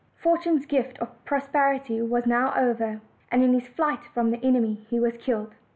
Fortune's gift of prosperity was now over, and in his flight from the enemy he was killed.